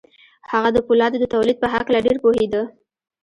هغه د پولادو د تولید په هکله ډېر پوهېده